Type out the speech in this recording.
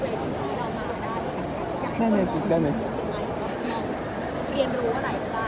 ว่ามันประสบการณ์อย่างไร